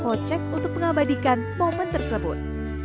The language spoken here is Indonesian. jadi kita harus cek untuk mengabadikan momen tersebut